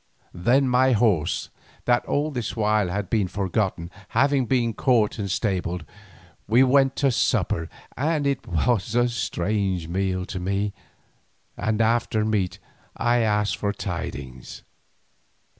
Then my horse, that all this while had been forgotten, having been caught and stabled, we went to supper and it was a strange meal to me, and after meat I asked for tidings.